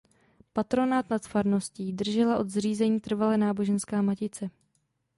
Patronát nad farností držela od zřízení trvale náboženská matice.